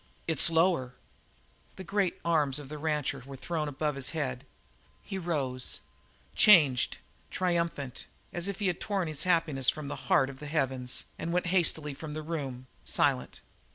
"It's lower!" The great arms of the rancher were thrown above his head; he rose, changed, triumphant, as if he had torn his happiness from the heart of the heavens, and went hastily from the room, silent.